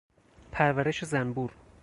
پرورش زنبور